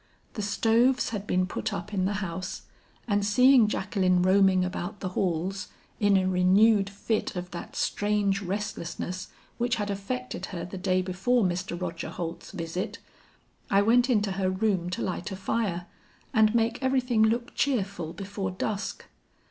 The stoves had been put up in the house, and seeing Jacqueline roaming about the halls, in a renewed fit of that strange restlessness which had affected her the day before Mr. Roger Holt's visit, I went into her room to light a fire, and make everything look cheerful before dusk.